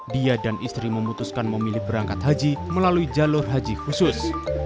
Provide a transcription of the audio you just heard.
dia dan istri memutuskan memilih berangkat haji melalui jalur haji khusus